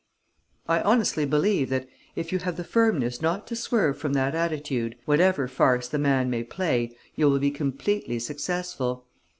"I honestly believe that, if you have the firmness not to swerve from that attitude, whatever farce the man may play, you will be completely successful.